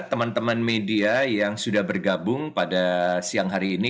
teman teman media yang sudah bergabung pada siang hari ini